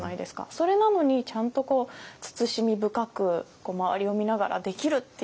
それなのにちゃんと慎み深く周りを見ながらできるっていうのが。